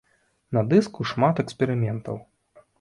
На дыску шмат эксперыментаў.